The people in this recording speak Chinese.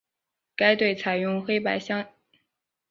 该队采用红黑相间横条队服。